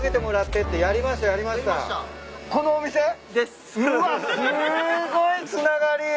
すごいつながり。